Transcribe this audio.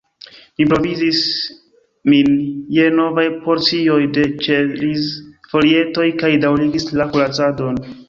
Mi provizis min je novaj porcioj de ĉeriz-folietoj kaj daŭrigis la kuracadon.